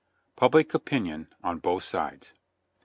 PUBUC OPINION ON BOTH SIDES.